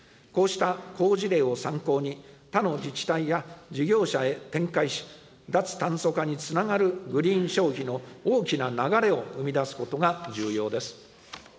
こうした好事例を参考に、他の自治体や事業者へ展開し、脱炭素化につながるグリーン消費の大きな流れを生み出すことが重要です。